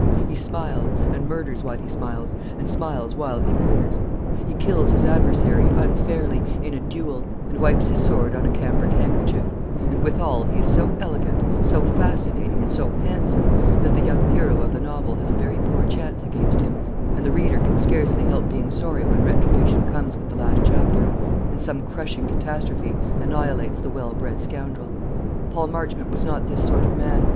He smiles, and murders while he smiles, and smiles while he murders. He kills his adversary, unfairly, in a duel, and wipes his sword on a cambric handkerchief; and withal he is so elegant, so fascinating, and so handsome, that the young hero of the novel has a very poor chance against him; and the reader can scarcely help being sorry when retribution comes with the last chapter, and some crushing catastrophe annihilates the well bred scoundrel. Paul Marchmont was not this sort of man.